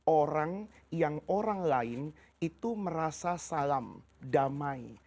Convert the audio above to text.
orang yang orang lain itu merasa salam damai